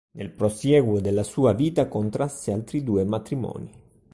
Nel prosieguo della sua vita contrasse altri due matrimoni.